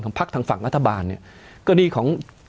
ของภักดิ์ทางฝั่งรัฐบาลเนี่ย